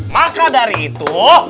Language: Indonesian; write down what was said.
maka dari itu